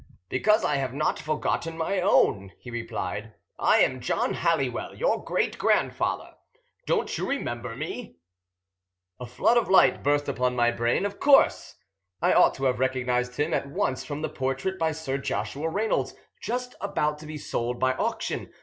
"Because I have not forgotten my own," he replied. "I am John Halliwell, your great grandfather. Don't you remember me?" A flood of light burst upon my brain. Of course! I ought to have recognised him at once from the portrait by Sir Joshua Reynolds, just about to be sold by auction.